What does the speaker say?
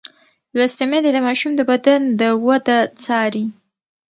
لوستې میندې د ماشوم د بدن د وده څاري.